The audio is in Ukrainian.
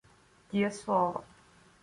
Дієслово